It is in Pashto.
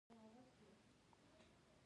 موزیک د زړه تل ته رسېږي.